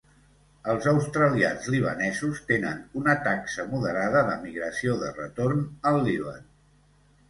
Els australians libanesos tenen una taxa moderada de migració de retorn al Líban.